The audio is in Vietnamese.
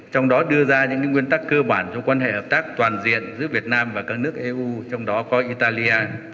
trong đó đưa ra những nguyên tắc cơ bản trong quan hệ hợp tác toàn diện giữa việt nam và các nước eu trong đó có italia